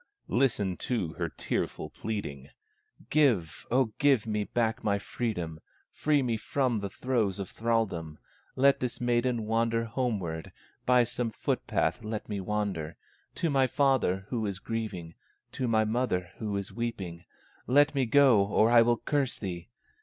Listen to her tearful pleading: "Give, O give me back my freedom, Free me from the throes of thralldom, Let this maiden wander homeward, By some foot path let me wander To my father who is grieving, To my mother who is weeping; Let me go or I will curse thee!